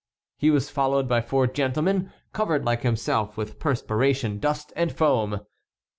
He was followed by four gentlemen, covered like himself with perspiration, dust, and foam.